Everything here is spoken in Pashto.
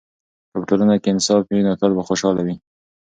که په ټولنه کې انصاف وي، نو تل به خوشحاله وي.